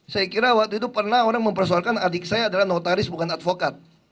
saya kira waktu itu pernah orang mempersoalkan adik saya adalah notaris bukan advokat